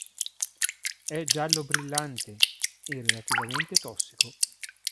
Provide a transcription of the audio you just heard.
È giallo brillante, e relativamente tossico.